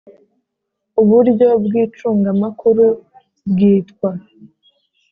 uburyo bw icungamakuru bwitwa